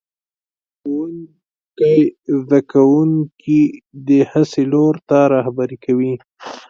ښوونکی زده کوونکي د هڅې لور ته رهبري کوي